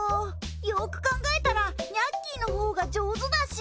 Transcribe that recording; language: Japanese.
よく考えたらにゃっきいのほうが上手だし。